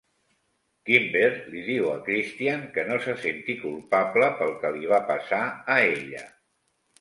Kimber li diu a Christian que no se senti culpable pel que li va passar a ella.